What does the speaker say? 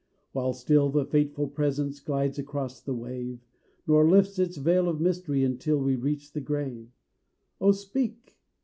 While still the fateful presence glides on across the wave, Nor lifts its veil of mystery until we reach the grave! O speak!